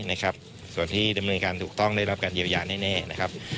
นะครับส่วนที่ดำเนินการถูกต้องได้รับการเยียวยาแน่นะครับ